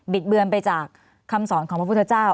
ดเบือนไปจากคำสอนของพระพุทธเจ้า